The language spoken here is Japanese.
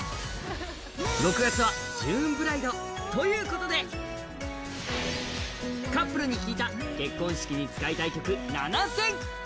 ６月はジューンブライド。ということで、カップルに聞いた結婚式に使いたい曲７選。